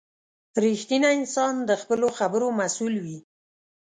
• رښتینی انسان د خپلو خبرو مسؤل وي.